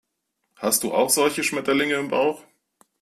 Hast du auch solche Schmetterlinge im Bauch?